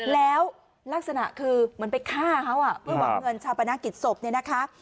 แล้วลักษณะคือเหมือนไปฆ่าเขาเพื่อหวังเงินชาปนกิจศพเนี่ยนะคะ